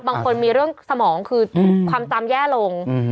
บางคนมีเรื่องสมองคือความจำแย่ลง